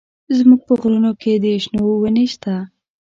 زموږ په غرونو کښې د شنو ونې سته.